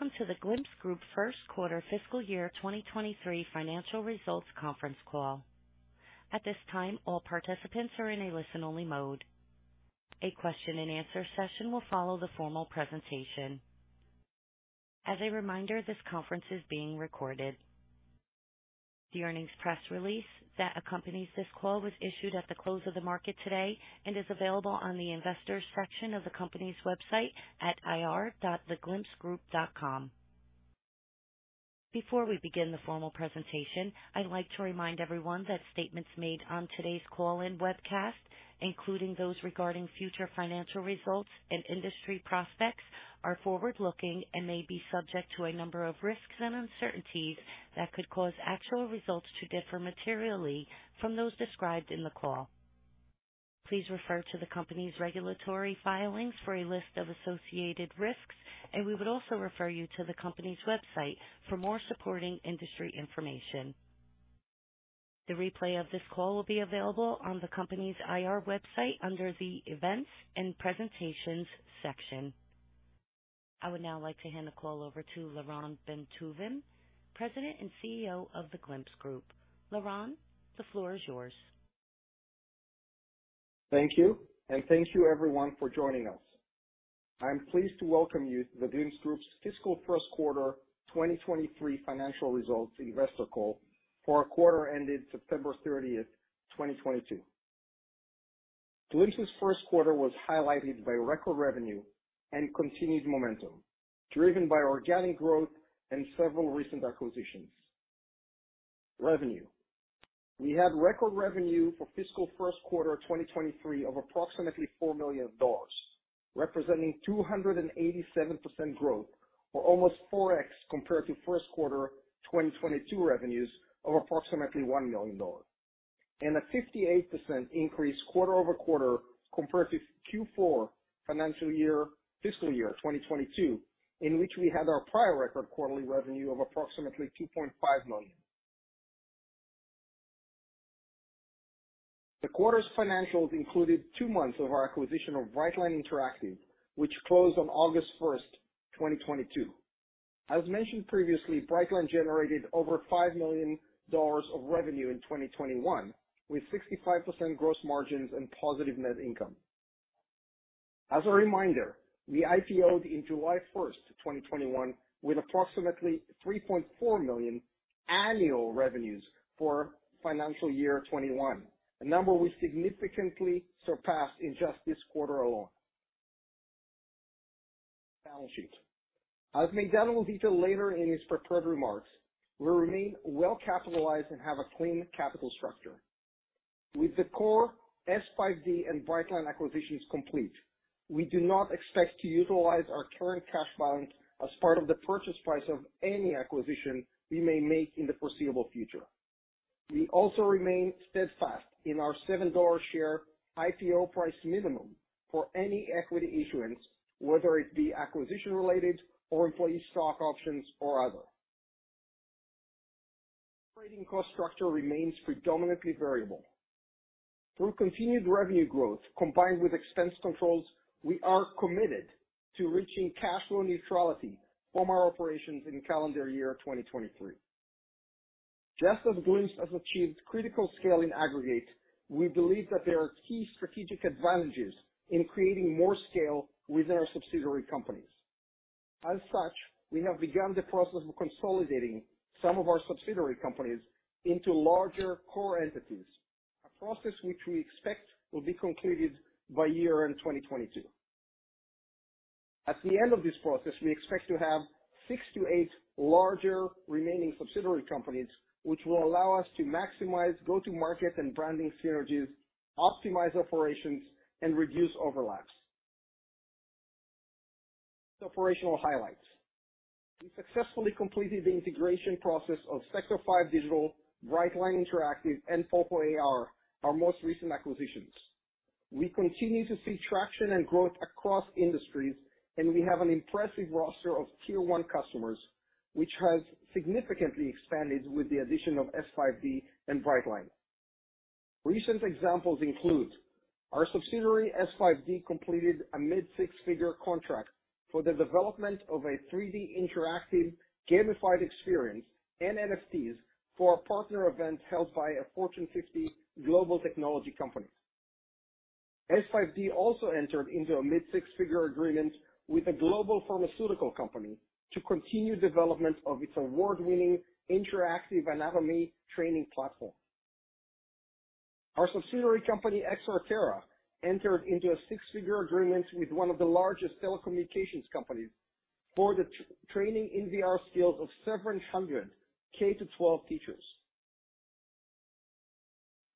Welcome to The Glimpse Group First Quarter Fiscal Year 2023 Financial Results Conference Call. At this time, all participants are in a listen-only mode. A question-and-answer session will follow the formal presentation. As a reminder, this conference is being recorded. The earnings press release that accompanies this call was issued at the close of the market today and is available on the investors section of the company's website at ir.theglimpsegroup.com. Before we begin the formal presentation, I'd like to remind everyone that statements made on today's call and webcast, including those regarding future financial results and industry prospects, are forward-looking and may be subject to a number of risks and uncertainties that could cause actual results to differ materially from those described in the call. Please refer to the company's regulatory filings for a list of associated risks, and we would also refer you to the company's website for more supporting industry information. The replay of this call will be available on the company's IR website under the Events and Presentations section. I would now like to hand the call over to Lyron Bentovim, President and CEO of The Glimpse Group. Lyron, the floor is yours. Thank you, and thank you everyone for joining us. I'm pleased to welcome you to The Glimpse Group's fiscal first quarter 2023 financial results investor call for our quarter ended September 30, 2022. Glimpse's first quarter was highlighted by record revenue and continued momentum, driven by organic growth and several recent acquisitions. Revenue. We had record revenue for fiscal first quarter 2023 of approximately $4 million, representing 287% growth, or almost 4x compared to first quarter 2022 revenues of approximately $1 million, and a 58% increase quarter-over-quarter compared to Q4 financial year, fiscal year 2022, in which we had our prior record quarterly revenue of approximately $2.5 million. The quarter's financials included two months of our acquisition of Brightline Interactive, which closed on August 1, 2022. As mentioned previously, Brightline generated over $5 million of revenue in 2021, with 65% gross margins and positive net income. As a reminder, we IPO'd in July 1, 2021, with approximately $3.4 million annual revenues for fiscal year 2021, a number we significantly surpassed in just this quarter alone. Balance sheet. I'll go into that in detail later in these prepared remarks. We remain well capitalized and have a clean capital structure. With the core S5D and Brightline acquisitions complete, we do not expect to utilize our current cash balance as part of the purchase price of any acquisition we may make in the foreseeable future. We also remain steadfast in our $7 share IPO price minimum for any equity issuance, whether it be acquisition-related or employee stock options or other. Operating cost structure remains predominantly variable. Through continued revenue growth combined with expense controls, we are committed to reaching cash flow neutrality from our operations in calendar year 2023. Just as Glimpse has achieved critical scale in aggregate, we believe that there are key strategic advantages in creating more scale within our subsidiary companies. As such, we have begun the process of consolidating some of our subsidiary companies into larger core entities, a process which we expect will be concluded by year-end 2022. At the end of this process, we expect to have 6-8 larger remaining subsidiary companies, which will allow us to maximize go-to market and branding synergies, optimize operations, and reduce overlaps. Operational highlights. We successfully completed the integration process of Sector 5 Digital, Brightline Interactive, and PulpoAR, our most recent acquisitions. We continue to see traction and growth across industries, and we have an impressive roster of tier one customers, which has significantly expanded with the addition of S5D and Brightline. Recent examples include, our subsidiary S5D completed a $ mid-six-figure contract for the development of a 3D interactive gamified experience and NFTs for a partner event held by a Fortune 50 global technology company. S5D also entered into a $ mid-six-figure agreement with a global pharmaceutical company to continue development of its award-winning interactive anatomy training platform. Our subsidiary company, D6 VR, entered into a $ six-figure agreement with one of the largest telecommunications companies for the training in VR skills of 700 K-12 teachers.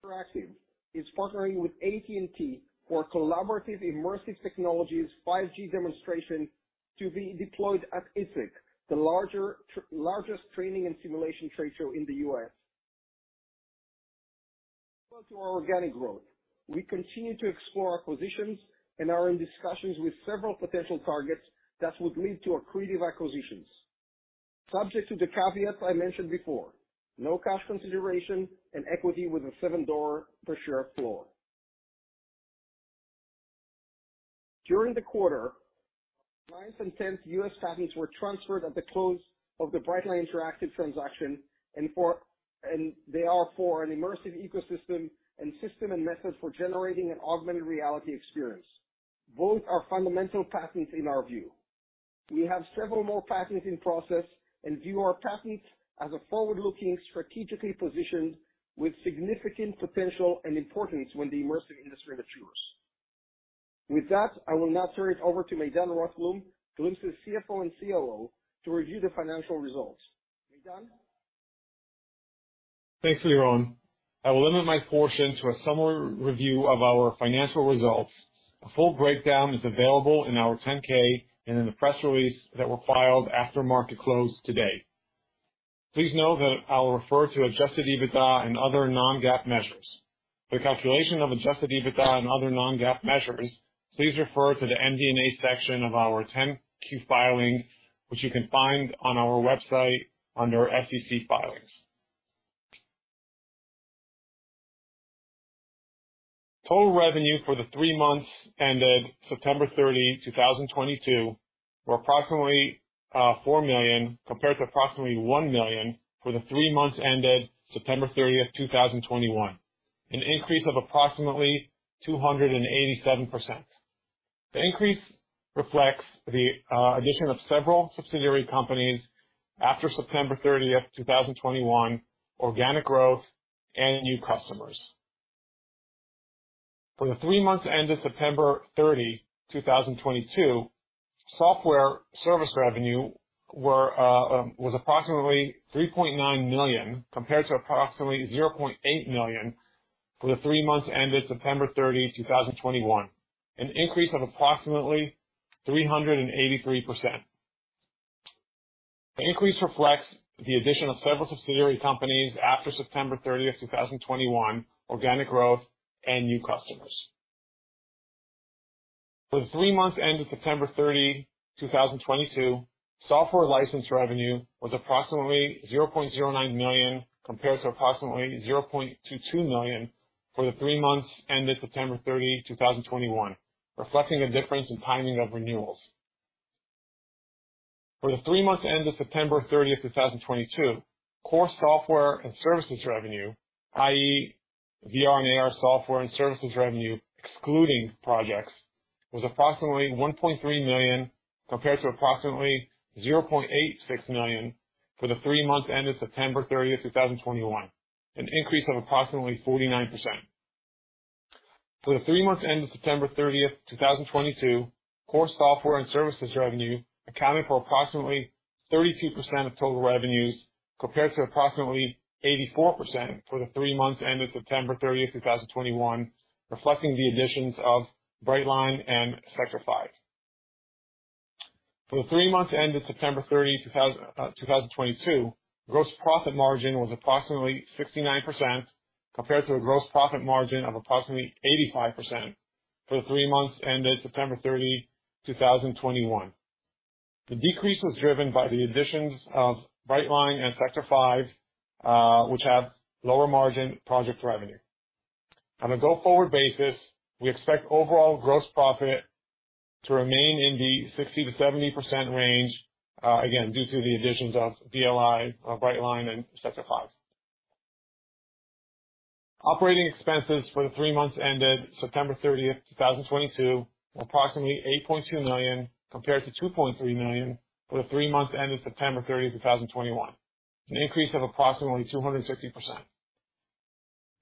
Brightline Interactive is partnering with AT&T for collaborative immersive technologies 5G demonstration to be deployed at I/ITSEC, the largest training and simulation trade show in the US. To our organic growth. We continue to explore acquisitions and are in discussions with several potential targets that would lead to accretive acquisitions. Subject to the caveats I mentioned before, no cash consideration and equity with a $7 per share floor. During the quarter, ninth and tenth U.S. patents were transferred at the close of the Brightline Interactive transaction, and they are for an immersive ecosystem and system and methods for generating an augmented reality experience. Both are fundamental patents in our view. We have several more patents in process and view our patents as a forward-looking, strategically positioned with significant potential and importance when the immersive industry matures. With that, I will now turn it over to Maydan Rothblum, Glimpse's CFO and COO, to review the financial results. Maydan? Thanks, Lyron. I will limit my portion to a summary review of our financial results. A full breakdown is available in our 10-K and in the press release that were filed after market close today. Please note that I will refer to adjusted EBITDA and other non-GAAP measures. For calculation of adjusted EBITDA and other non-GAAP measures, please refer to the MD&A section of our 10-Q filing, which you can find on our website under SEC Filings. Total revenue for the three months ended September 30, 2022, were approximately $4 million compared to approximately $1 million for the three months ended September 30, 2021, an increase of approximately 287%. The increase reflects the addition of several subsidiary companies after September 30, 2021, organic growth and new customers. For the three months ended September 30, 2022, software service revenue was approximately $3.9 million, compared to approximately $0.8 million for the three months ended September 30, 2021, an increase of approximately 383%. The increase reflects the addition of several subsidiary companies after September 30, 2021, organic growth and new customers. For the three months ended September 30, 2022, software license revenue was approximately $0.09 million compared to approximately $0.22 million for the three months ended September 30, 2021, reflecting a difference in timing of renewals. For the three months ended September 30, 2022, core software and services revenue, i.e. VR and AR software and services revenue, excluding projects, was approximately $1.3 million compared to approximately $0.86 million for the three months ended September thirtieth, two thousand twenty-one, an increase of approximately 49%. For the three months ended September thirtieth, two thousand twenty-two, core software and services revenue accounted for approximately 32% of total revenues, compared to approximately 84% for the three months ended September thirtieth, two thousand twenty-one, reflecting the additions of Brightline and Sector 5. For the three months ended September thirtieth, two thousand twenty-two, gross profit margin was approximately 69% compared to a gross profit margin of approximately 85% for the three months ended September thirty, two thousand twenty-one. The decrease was driven by the additions of Brightline and Sector 5, which have lower margin project revenue. On a go-forward basis, we expect overall gross profit to remain in the 60%-70% range, again, due to the additions of BLI, Brightline and Sector 5. Operating expenses for the three months ended September 30, 2022, were approximately $8.2 million compared to $2.3 million for the three months ended September 30, 2021, an increase of approximately 260%.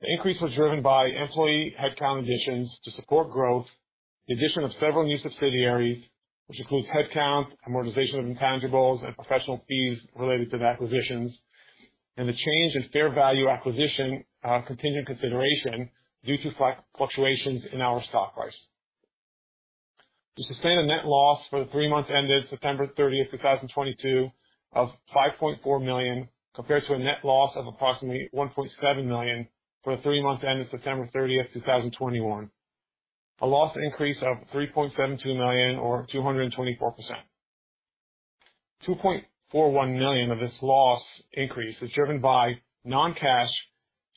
The increase was driven by employee headcount additions to support growth, the addition of several new subsidiaries, which includes headcount, amortization of intangibles and professional fees related to the acquisitions, and the change in fair value acquisition contingent consideration due to fluctuations in our stock price. The sustained net loss for the three months ended September 30, 2022 of $5.4 million compared to a net loss of approximately $1.7 million for the three months ended September 30, 2021. A loss increase of $3.72 million or 224%. $2.41 million of this loss increase is driven by non-cash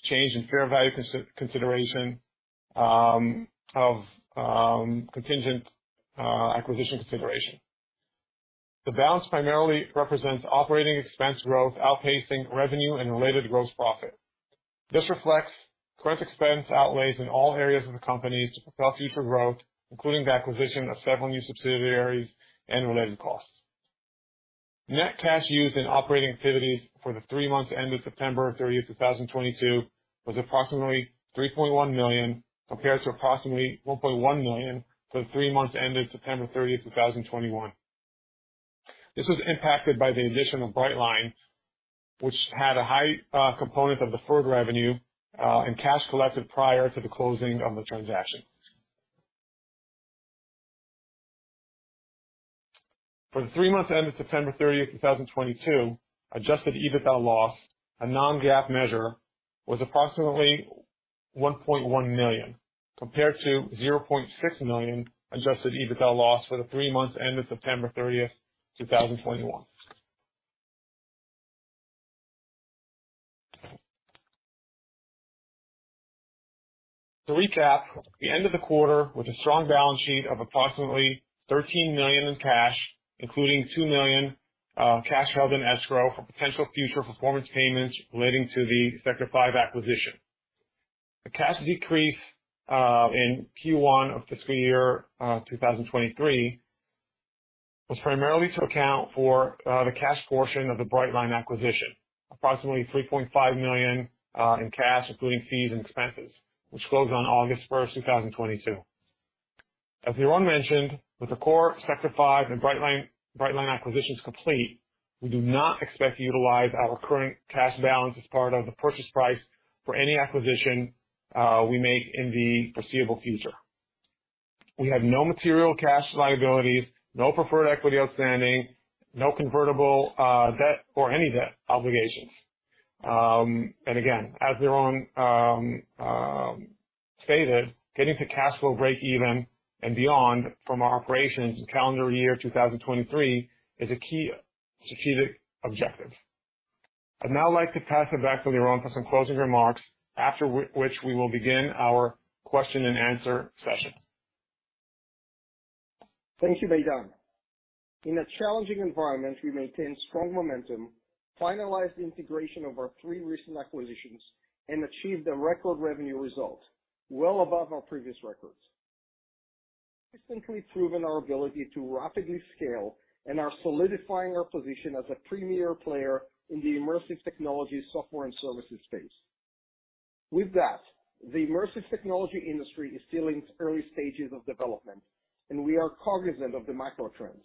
change in fair value consideration of contingent acquisition consideration. The balance primarily represents operating expense growth outpacing revenue and related gross profit. This reflects current expense outlays in all areas of the company to propel future growth, including the acquisition of several new subsidiaries and related costs. Net cash used in operating activities for the three months ended September 30, 2022 was approximately $3.1 million compared to approximately $1.1 million for the three months ended September 30, 2021. This was impacted by the addition of Brightline, which had a high component of deferred revenue and cash collected prior to the closing of the transaction. For the three months ended September 30, 2022, adjusted EBITDA loss, a non-GAAP measure, was approximately $1.1 million compared to $0.6 million adjusted EBITDA loss for the three months ended September 30, 2021. To recap, we ended the quarter with a strong balance sheet of approximately $13 million in cash, including $2 million cash held in escrow for potential future performance payments relating to the Sector 5 acquisition. The cash decrease in Q1 of fiscal year 2023 was primarily to account for the cash portion of the Brightline acquisition, approximately $3.5 million in cash, including fees and expenses, which closed on August 1, 2022. As Lyron mentioned, with the core Sector 5 and Brightline acquisitions complete, we do not expect to utilize our current cash balance as part of the purchase price for any acquisition we make in the foreseeable future. We have no material cash liabilities, no preferred equity outstanding, no convertible debt or any debt obligations. Again, as Lyron stated, getting to cash flow breakeven and beyond from our operations in calendar year 2023 is a key strategic objective. I'd now like to pass it back to Lyron for some closing remarks, after which we will begin our question and answer session. Thank you, Maydan. In a challenging environment, we maintained strong momentum, finalized the integration of our three recent acquisitions, and achieved a record revenue result well above our previous records. Consistently proven our ability to rapidly scale and are solidifying our position as a premier player in the immersive technology software and services space. With that, the immersive technology industry is still in its early stages of development, and we are cognizant of the macro trends.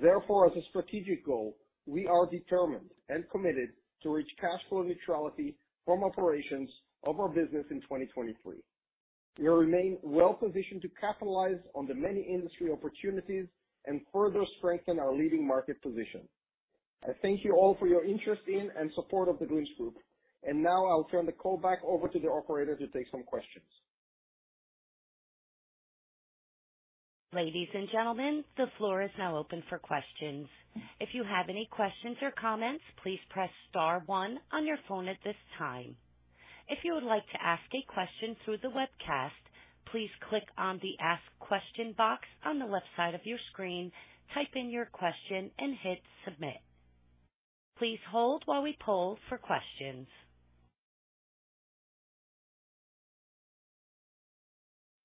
Therefore, as a strategic goal, we are determined and committed to reach cash flow neutrality from operations of our business in 2023. We remain well positioned to capitalize on the many industry opportunities and further strengthen our leading market position. I thank you all for your interest in and support of The Glimpse Group. Now I'll turn the call back over to the operator to take some questions. Ladies and gentlemen, the floor is now open for questions. If you have any questions or comments, please press star one on your phone at this time. If you would like to ask a question through the webcast, please click on the Ask Question box on the left side of your screen, type in your question and hit Submit. Please hold while we poll for questions.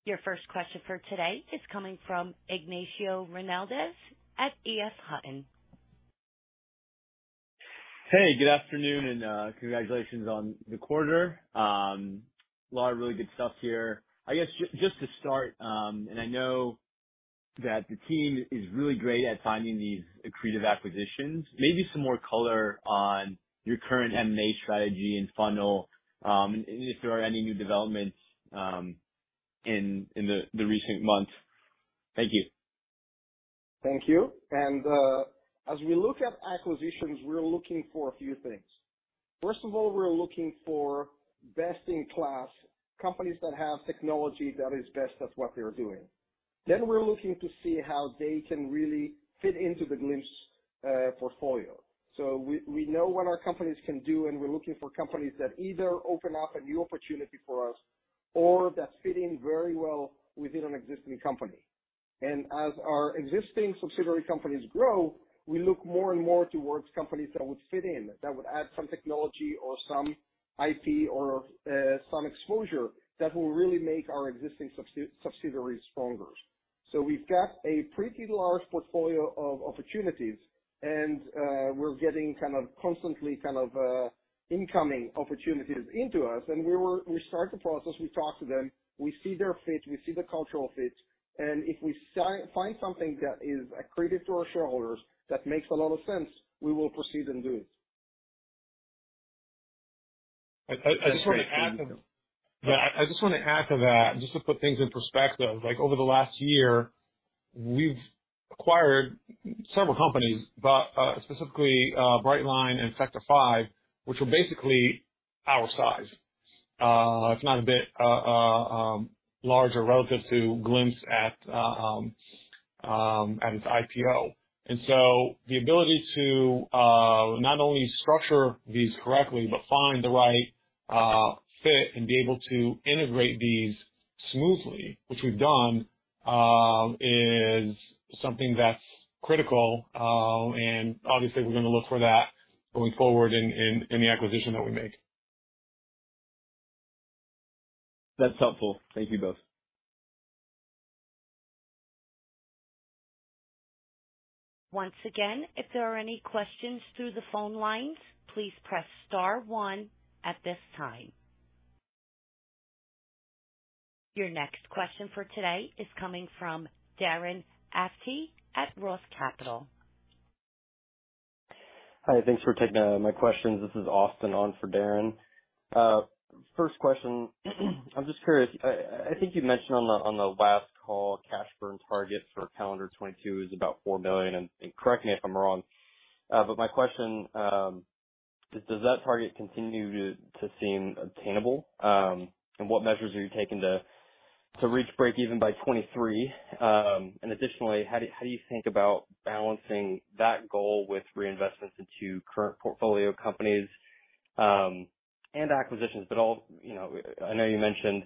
Your first question for today is coming from Ignacio Reynolds at EF Hutton. Hey, good afternoon and, congratulations on the quarter. A lot of really good stuff here. I guess just to start, I know that the team is really great at finding these accretive acquisitions. Maybe some more color on your current M&A strategy and funnel, if there are any new developments in the recent months. Thank you. Thank you. As we look at acquisitions, we're looking for a few things. First of all, we're looking for best-in-class companies that have technology that is best at what they're doing. We're looking to see how they can really fit into the Glimpse portfolio. We know what our companies can do, and we're looking for companies that either open up a new opportunity for us or that fit in very well within an existing company. As our existing subsidiary companies grow, we look more and more towards companies that would fit in, that would add some technology or some IP or some exposure that will really make our existing subsidiaries stronger. We've got a pretty large portfolio of opportunities, and we're getting constantly incoming opportunities into us. We start the process, we talk to them, we see their fit, we see the cultural fit, and if we find something that is accretive to our shareholders that makes a lot of sense, we will proceed and do it. I just wanna add to. That's great. Thank you. Yeah. I just wanna add to that, just to put things in perspective, like over the last year, we've acquired several companies, but specifically, Brightline and Sector 5 Digital, which were basically our size, if not a bit larger relative to Glimpse at its IPO. The ability to not only structure these correctly but find the right fit and be able to integrate these smoothly, which we've done, is something that's critical. Obviously we're gonna look for that going forward in the acquisition that we make. That's helpful. Thank you both. Once again, if there are any questions through the phone lines, please press star one at this time. Your next question for today is coming from Darren Aftahi at Roth Capital. Hi. Thanks for taking my questions. This is Austin on for Darren. First question. I'm just curious. I think you mentioned on the last call, cash burn targets for calendar 2022 is about $4 million. Correct me if I'm wrong, but my question, does that target continue to seem attainable? What measures are you taking to reach break even by 2023? Additionally, how do you think about balancing that goal with reinvestments into current portfolio companies and acquisitions? I know you mentioned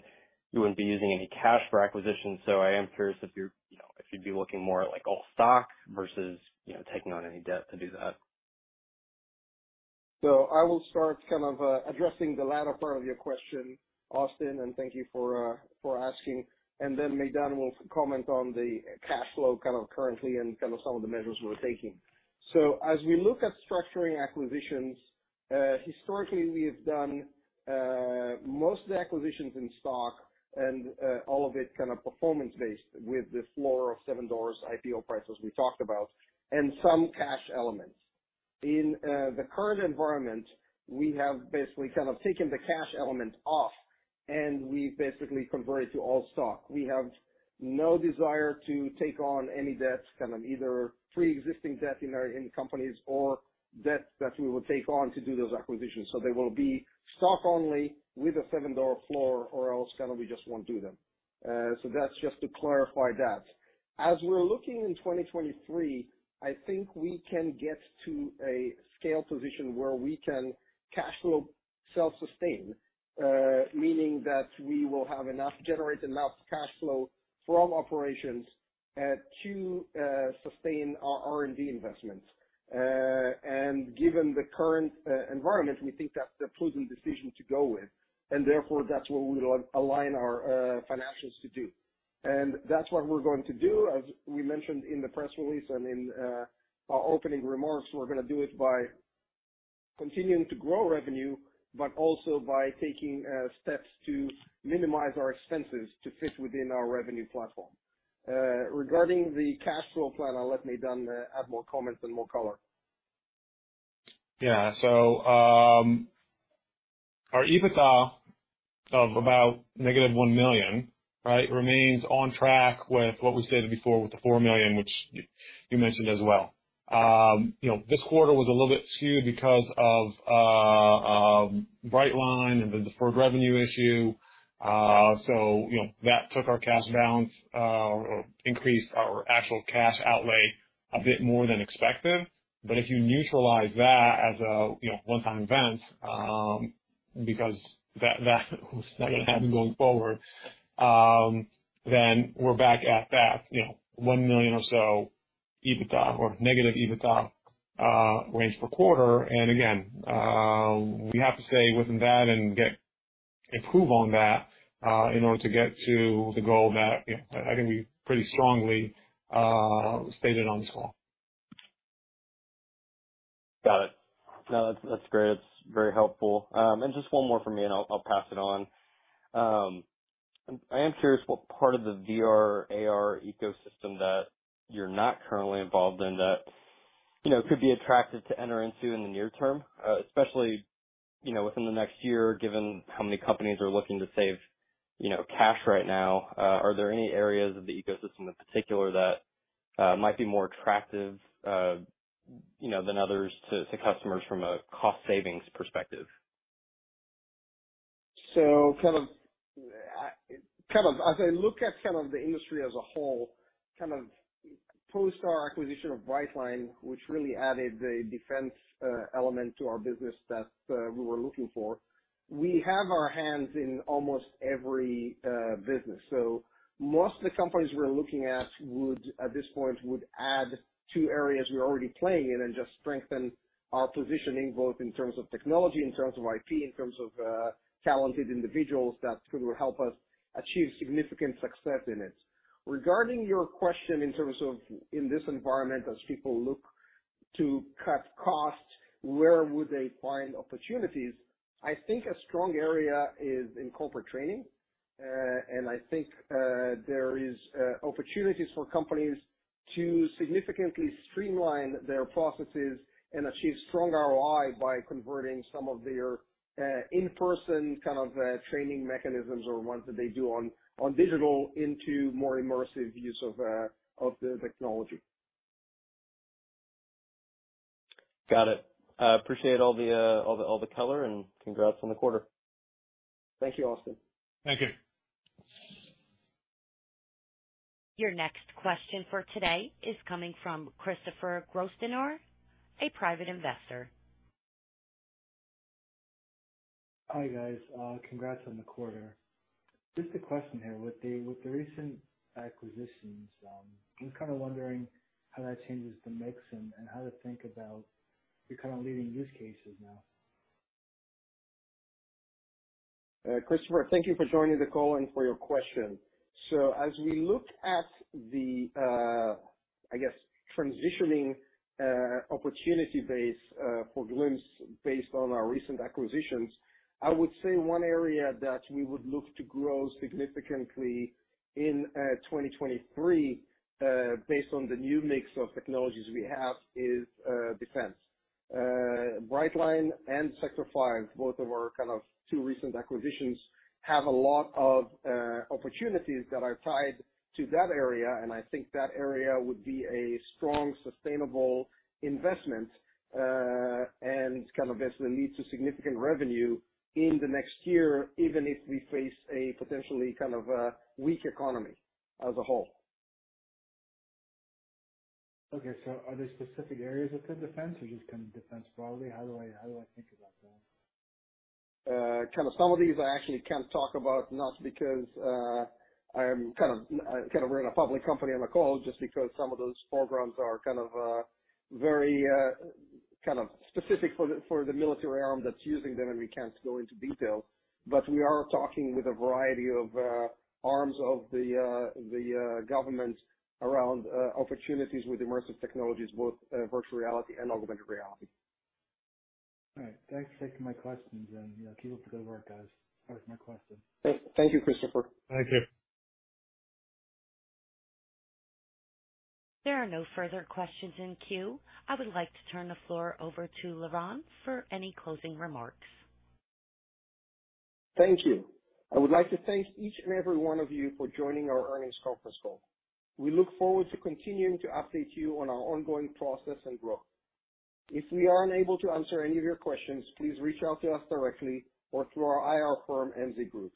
you wouldn't be using any cash for acquisitions, so I am curious if you're, you know, if you'd be looking more at like all stock versus, you know, taking on any debt to do that. I will start kind of addressing the latter part of your question, Austin, and thank you for for asking. Maydan will comment on the cash flow kind of currently and kind of some of the measures we're taking. As we look at structuring acquisitions, historically we have done most of the acquisitions in stock and all of it kind of performance-based with the floor of $7 IPO price as we talked about, and some cash elements. In the current environment, we have basically kind of taken the cash element off and we basically convert it to all stock. We have no desire to take on any debt, kind of either pre-existing debt in our companies or debt that we will take on to do those acquisitions. They will be stock only with a $7 floor or else kind of we just won't do them. That's just to clarify that. As we're looking in 2023, I think we can get to a scale position where we can cash flow self-sustain, meaning that we will generate enough cash flow from operations to sustain our R&D investments. Given the current environment, we think that's a prudent decision to go with. Therefore that's what we'll align our financials to do. That's what we're going to do, as we mentioned in the press release and in our opening remarks. We're gonna do it by continuing to grow revenue, but also by taking steps to minimize our expenses to fit within our revenue platform. Regarding the cash flow plan, I'll let Maydan add more comments and more color. Yeah. Our EBITDA of about negative $1 million, right? It remains on track with what we stated before with the $4 million, which you mentioned as well. You know, this quarter was a little bit skewed because of Brightline and the deferred revenue issue. You know, that took our cash balance or increased our actual cash outlay a bit more than expected. If you neutralize that as a you know, one-time event, because that was not gonna happen going forward, then we're back at that you know, $1 million or so EBITDA or negative EBITDA range per quarter. Again, we have to stay within that and improve on that in order to get to the goal that you know, I think we pretty strongly stated on this call. Got it. No, that's great. That's very helpful. Just one more from me, and I'll pass it on. I am curious what part of the VR/AR ecosystem that you're not currently involved in that, you know, could be attractive to enter into in the near term, especially, you know, within the next year, given how many companies are looking to save, you know, cash right now. Are there any areas of the ecosystem in particular that might be more attractive, you know, than others to customers from a cost savings perspective? Kind of as I look at kind of the industry as a whole, kind of post our acquisition of Brightline, which really added the defense element to our business that we were looking for, we have our hands in almost every business. Most of the companies we're looking at would, at this point, add to areas we're already playing in and just strengthen our positioning, both in terms of technology, in terms of IT, in terms of talented individuals that could help us achieve significant success in it. Regarding your question in terms of in this environment, as people look to cut costs, where would they find opportunities? I think a strong area is in corporate training. I think there is opportunities for companies to significantly streamline their processes and achieve strong ROI by converting some of their in-person kind of training mechanisms or ones that they do on digital into more immersive use of the technology. Got it. I appreciate all the color, and congrats on the quarter. Thank you, Austin. Thank you. Your next question for today is coming from Christopher Grosvenor, a Private Investor. Hi, guys. Congrats on the quarter. Just a question here. With the recent acquisitions, I'm kind of wondering how that changes the mix and how to think about your kind of leading use cases now. Christopher, thank you for joining the call and for your question. As we look at the I guess transitioning opportunity base for Glimpse based on our recent acquisitions, I would say one area that we would look to grow significantly in 2023 based on the new mix of technologies we have is defense. Brightline and Sector 5, both of our kind of two recent acquisitions, have a lot of opportunities that are tied to that area, and I think that area would be a strong, sustainable investment and kind of basically lead to significant revenue in the next year, even if we face a potentially kind of a weak economy as a whole. Okay. Are there specific areas within defense or just kind of defense broadly? How do I think about that? Kind of some of these I actually can't talk about, not because we're in a public company on a call, just because some of those programs are kind of very kind of specific for the military arm that's using them, and we can't go into detail. We are talking with a variety of arms of the government around opportunities with immersive technologies, both virtual reality and augmented reality. All right. Thanks for taking my questions, and, you know, keep up the good work, guys. That was my question. Thank you, Christopher. Thank you. There are no further questions in queue. I would like to turn the floor over to Lyron for any closing remarks. Thank you. I would like to thank each and every one of you for joining our earnings conference call. We look forward to continuing to update you on our ongoing process and growth. If we are unable to answer any of your questions, please reach out to us directly or through our IR firm, MZ Group